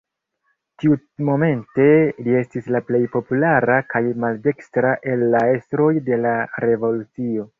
Tiumomente li estis la plej populara kaj maldekstra el la estroj de la revolucio.